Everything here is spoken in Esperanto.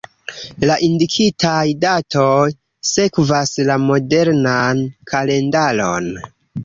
La indikitaj datoj sekvas la modernan kalendaron.